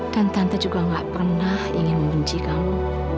dan tante juga gak pernah ingin membenci kamu